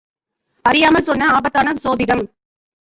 அறியாமல் சொன்ன ஆபத்தான சோதிடம்!